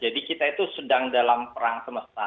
jadi kita itu sedang dalam perang semesta